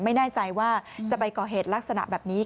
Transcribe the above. ไม่แน่ใจว่าจะไปก่อเหตุลักษณะแบบนี้